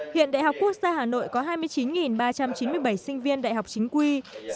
hiện đại học quốc gia hà nội có hai mươi chín ba trăm chín mươi bảy sinh viên đại học chính quy